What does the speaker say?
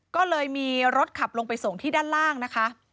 ก็เลยมีรถขับลงไปส่งที่ด้านล่างนะคะ